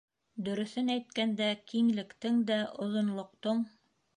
—Дөрөҫөн әйткәндә, киңлектең дә, оҙонлоҡтоң